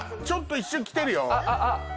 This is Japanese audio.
ちょっと一瞬きてるよ